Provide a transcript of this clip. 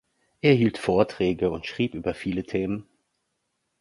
Er hielt Vorträge und schrieb über viele Themen.